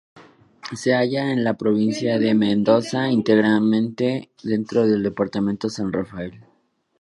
Se halla en la provincia de Mendoza íntegramente dentro del Departamento San Rafael.